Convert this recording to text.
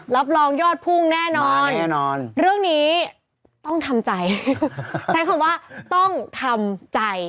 รับรองยอดพุ่งแน่นอนเรื่องนี้ต้องทำใจใช้คำว่าต้องทำใจ